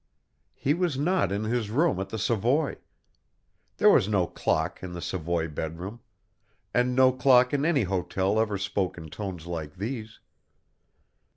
He was not in his room at the Savoy. There was no clock in the Savoy bed room, and no clock in any hotel ever spoke in tones like these.